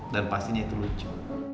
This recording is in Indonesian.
dan pastinya itu lucu